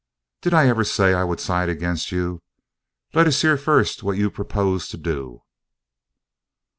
"Did I ever say I would side against you? Let us hear first what you propose to do."